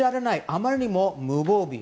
あまりにも無防備。